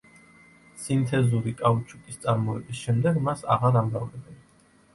სინთეზური კაუჩუკის წარმოების შემდეგ მას აღარ ამრავლებენ.